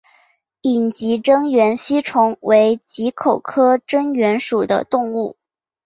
隐棘真缘吸虫为棘口科真缘属的动物。